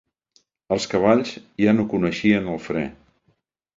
Els cavalls ja no coneixien el fre.